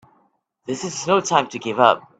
This is no time to give up!